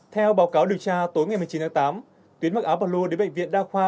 theo báo cáo điều tra tối ngày một mươi chín tháng tám tuyến mặc áo bà lô đến bệnh viện đa khoa